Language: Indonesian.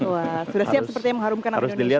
wah sudah siap seperti yang mengharumkan api indonesia